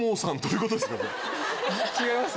違います？